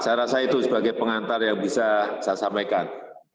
saya rasa itu sebagai pengantar yang bisa saya sampaikan